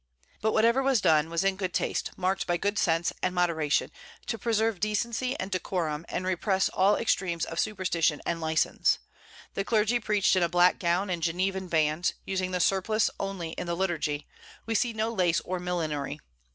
But whatever was done was in good taste, marked by good sense and moderation, to preserve decency and decorum, and repress all extremes of superstition and license. The clergy preached in a black gown and Genevan bands, using the surplice only in the liturgy; we see no lace or millinery.